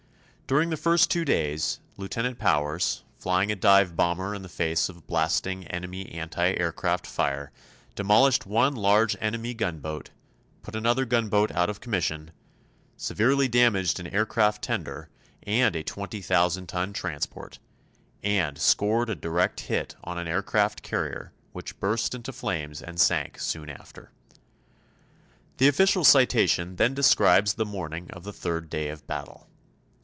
During the first two days, Lieutenant Powers, flying a dive bomber in the face of blasting enemy anti aircraft fire, demolished one large enemy gunboat, put another gunboat out of commission, severely damaged an aircraft tender and a twenty thousand ton transport, and scored a direct hit on an aircraft carrier which burst into flames and sank soon after. The official citation then describes the morning of the third day of battle.